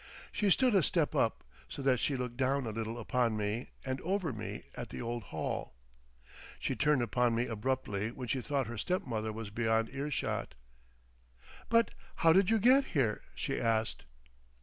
She stood a step up, so that she looked down a little upon me and over me at the old hall. She turned upon me abruptly when she thought her step mother was beyond ear shot. "But how did you get here?" she asked.